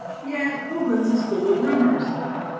Yet Coblenz is full of rumors.